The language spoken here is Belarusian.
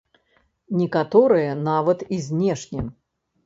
Некаторыя нават і знешне.